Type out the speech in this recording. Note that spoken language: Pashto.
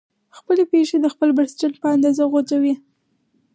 خپلې پښې د خپل بړستن په اندازه غځوئ.